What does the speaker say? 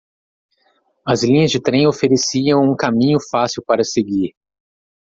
As linhas de trem ofereciam um caminho fácil para seguir.